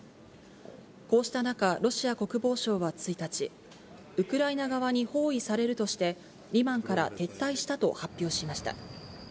こうした中、ロシア国防省は１日、ウクライナ側に包囲されるとして、リマンから撤退したと発表しました。